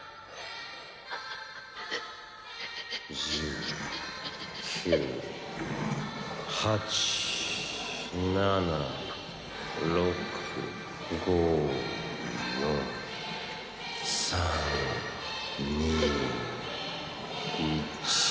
１０９８７６５４３２１。